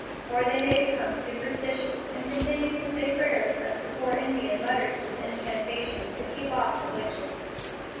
Or they may become superstitious, and continue to say prayers as the poor Indian mutters his incantation to keep off the witches.